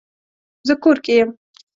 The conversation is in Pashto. زه کور کې یم